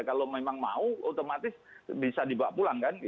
kalau memang mau otomatis bisa dibawa pulang kan